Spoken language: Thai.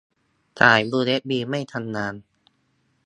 สายยูเอสบีไม่ทำงาน